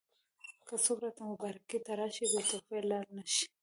که څوک راته مبارکۍ ته راشي بې تحفې لاړ نه شي.